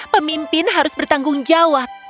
pemimpin harus bertanggung jawab